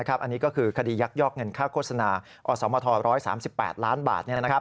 อันนี้ก็คือคดียักยอกเงินค่าโฆษณาอสมท๑๓๘ล้านบาท